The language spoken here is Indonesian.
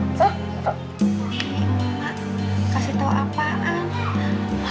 eh mak kasih tau apaan